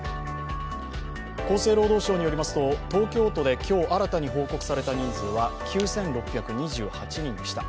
厚生労働省によりますと東京都で今日新たに報告された人数は９６２８人でした。